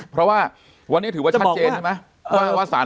เพราะว่าวันนี้ถือว่าชัดเจนใช่ไหมว่าสาร